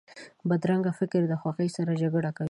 بدرنګه فکر د خوښۍ سره جګړه کوي